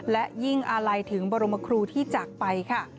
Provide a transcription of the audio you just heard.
และยิ่งอาลัยถึงบรมครูที่จากไปค่ะ